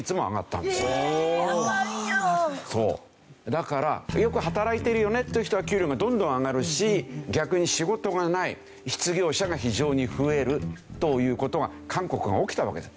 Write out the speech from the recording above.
だからよく働いてるよねっていう人は給料がどんどん上がるし逆に仕事がない失業者が非常に増えるという事が韓国は起きたわけです。